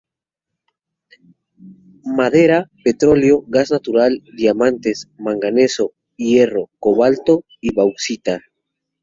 Madera, petróleo, gas natural, diamantes, manganeso, hierro, cobalto y bauxita.